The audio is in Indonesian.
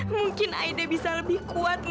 mungkin aida bisa lebih kuat